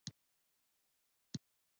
د خلکو جایدادونه ځان ته بخشش کولای شي.